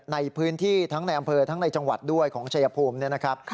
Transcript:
ในพื้นที่ทั้งในอำเภอทั้งในจังหวัดด้วยของชายภูมิเนี่ยนะครับ